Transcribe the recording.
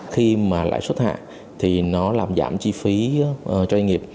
khi mà lại xuất hạ thì nó làm giảm chi phí cho doanh nghiệp